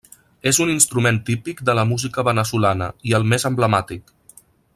És un instrument típic de la música veneçolana, i el més emblemàtic.